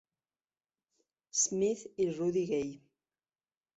Smith y Rudy Gay.